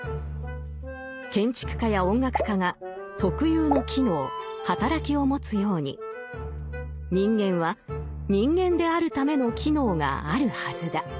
建築家や音楽家が特有の機能働きを持つように人間は人間であるための機能があるはずだ。